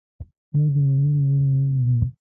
دا د منلو وړ نه دي.